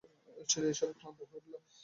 অচিরেই এই সবে সে ক্লান্ত ও বিরক্ত হয়ে উঠল।